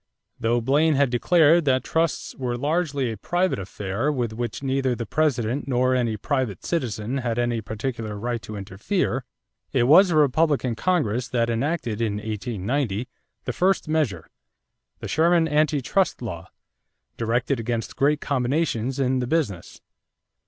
Though Blaine had declared that "trusts were largely a private affair with which neither the President nor any private citizen had any particular right to interfere," it was a Republican Congress that enacted in 1890 the first measure the Sherman Anti Trust Law directed against great combinations in business.